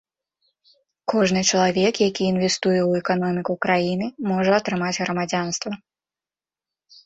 Кожны чалавек, які інвестуе ў эканоміку краіны, можа атрымаць грамадзянства.